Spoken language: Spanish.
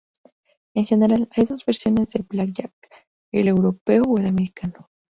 En general hay dos versiones de blackjack, el europeo o el americano.